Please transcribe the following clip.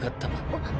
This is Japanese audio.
あっ。